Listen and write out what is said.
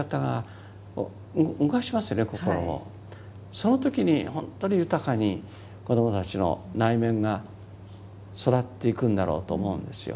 その時に本当に豊かに子どもたちの内面が育っていくんだろうと思うんですよ。